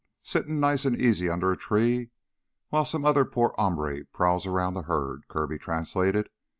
"Sittin' nice an' easy under a tree while some other poor hombre prowls around the herd," Kirby translated.